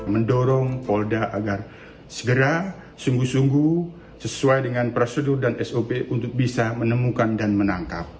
mendorong polda agar segera sungguh sungguh sesuai dengan prosedur dan sop untuk bisa menemukan dan menangkap